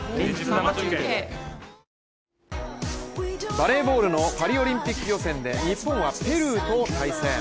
バレーボールのパリオリンピック予選で日本はペルーと対戦。